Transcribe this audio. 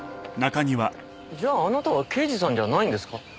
じゃああなたは刑事さんじゃないんですか？